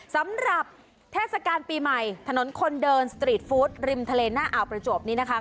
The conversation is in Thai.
สำหรับเทศกาลปีใหม่ถนนคนเดินสตรีทฟู้ดริมทะเลหน้าอ่าวประจวบนี้นะคะ